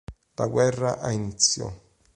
La guerra ha inizio.